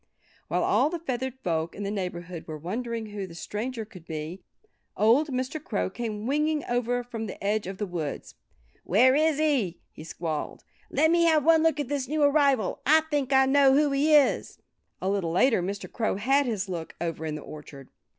While all the feathered folk in the neighborhood were wondering who the stranger could be old Mr. Crow came winging over from the edge of the woods. "Where is he?" he squalled. "Let me have one look at this new arrival! I think I know who he is." A little later Mr. Crow had his look, over in the orchard.